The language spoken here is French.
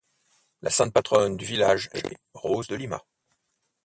La sainte patronne du village est Rose de Lima.